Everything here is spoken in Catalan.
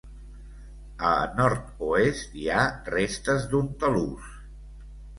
A nord-oest hi ha restes d'un talús.